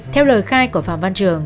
theo lời khai của phạm văn trường